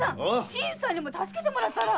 新さんにも助けてもらったら？